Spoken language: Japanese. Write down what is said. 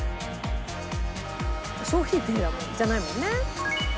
商品名じゃないもんね。